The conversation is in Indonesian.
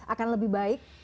akan lebih baik